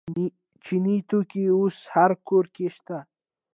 چیني توکي اوس هر کور کې شته.